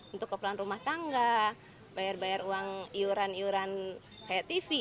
untuk keperluan rumah tangga bayar bayar uang iuran iuran kayak tv